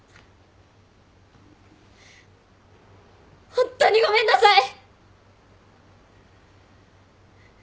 ホントにごめんなさい！